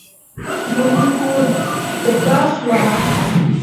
Mo gi huu dǝdah swara.